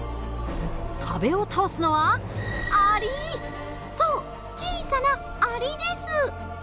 壁を倒すのはそう小さなアリです。